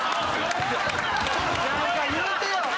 何か言うてよ！